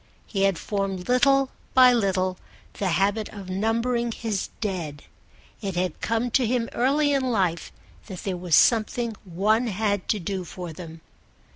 He had formed little by little the habit of numbering his Dead: it had come to him early in life that there was something one had to do for them.